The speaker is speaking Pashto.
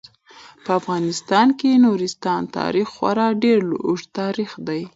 په افغانستان کې د نورستان تاریخ خورا ډیر اوږد تاریخ دی.